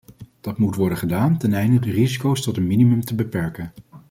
Dat moet worden gedaan teneinde de risico's tot een minimum te beperken.